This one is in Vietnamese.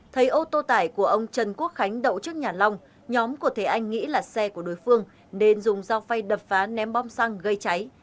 thấy ô tô tải của ông trần quốc khánh đậu trước nhà long nhóm của thế anh nghĩ là xe của đối phương nên dùng dao phay đập phá ném bom xăng gây cháy